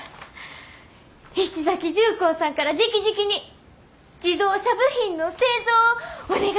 菱崎重工さんからじきじきに自動車部品の製造をお願いしたいと。